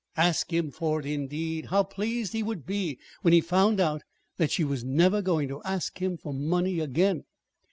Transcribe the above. Ask him for it, indeed! How pleased he would be when he found out that she was never going to ask him for money again!